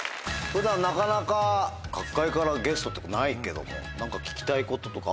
普段なかなか角界からゲストってないけども何か。